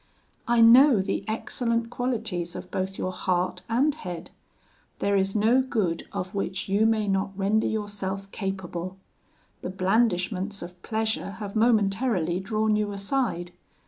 I know the excellent qualities of both your heart and head. There is no good of which you may not render yourself capable. The blandishments of pleasure have momentarily drawn you aside.